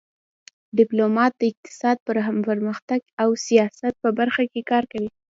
ډيپلومات د اقتصاد، فرهنګ او سیاست په برخه کې کار کوي.